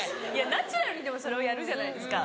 ナチュラルにでもそれをやるじゃないですか。